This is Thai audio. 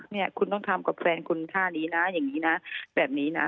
เนี่ยคุณต้องทำกับแฟนคุณท่านี้นะอย่างนี้นะแบบนี้นะ